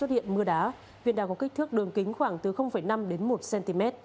hiện mưa đá huyện đá có kích thước đường kính khoảng từ năm đến một cm